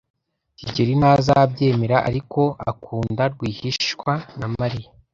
kigeli ntazabyemera, ariko akunda rwihishwa na Mariya.